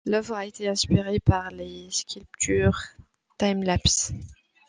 L’œuvre a été inspirée par les sculptures Time-lapse.